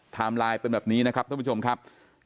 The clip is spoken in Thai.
ไลน์เป็นแบบนี้นะครับท่านผู้ชมครับ